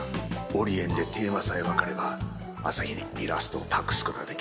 オリエンでテーマさえわかればアサヒにイラストを託す事ができる。